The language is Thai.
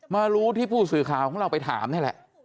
มารู้ที่ผู้สื่อข่าวของเราไปถามนี่แหละ